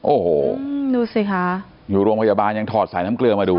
โอ้โหดูสิคะอยู่โรงพยาบาลยังถอดสายน้ำเกลือมาดู